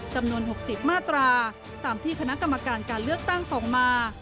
จำนวน๖๐มาตราตามที่คณะกรรมการการเลือกตั้งส่งมา